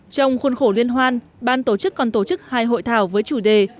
trong khuôn khổ liên hoan ban tổ chức còn tổ chức hai hội thảo với chủ đề